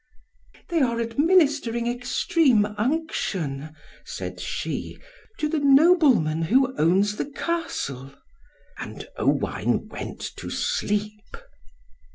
"They are administering extreme unction," said she, "to the Nobleman who owns the Castle." And Owain went to sleep.